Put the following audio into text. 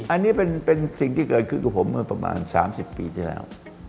อันนี้เป็นสิ่งที่เกิดขึ้นกับผมเมื่อประมาณ๓๐ปีที่แล้ว